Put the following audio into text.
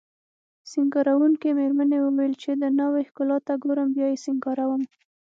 سینګاروونکې میرمنې وویل چې د ناوې ښکلا ته ګورم بیا یې سینګاروم